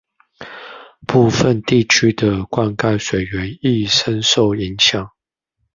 部分地區的灌溉水源亦深受影響